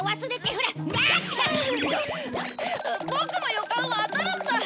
ボクの予感は当たるんだ！